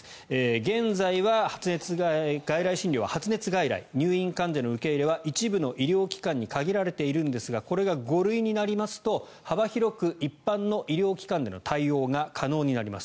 現在は外来診療は発熱外来入院患者の受け入れは一部の医療機関に限られているんですがこれが５類になりますと幅広く、一般の医療機関での対応が可能になります。